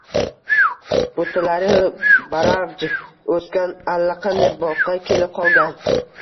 Butalari baravj o’sgan allaqanday boqqa kelib qolgan.